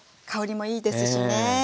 香りもいいですしね